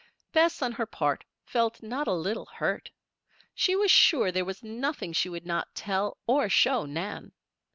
Bess, on her part, felt not a little hurt. She was sure there was nothing she would not tell or show Nan.